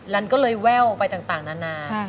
อเรนนี่คือเหตุการณ์เริ่มต้นหลอนช่วงแรกแล้วมีอะไรอีก